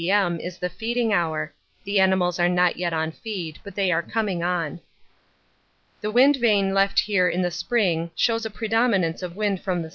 M., is the feeding hour the animals are not yet on feed, but they are coming on. The wind vane left here in the spring shows a predominance of wind from the S.